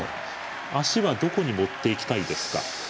足はどこに持っていきたいですか？